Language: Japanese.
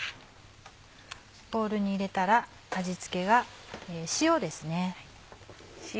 ボウルに入れたら味付けが塩ですね。